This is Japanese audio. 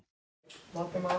回ってます。